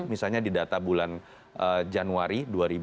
misalnya di data bulan januari dua ribu dua puluh